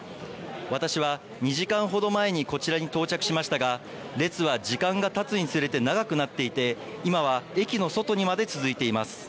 私は２時間ほど前にこちらに到着しましたが列は時間がたつにつれて長くなっていて今は駅の外にまで続いています。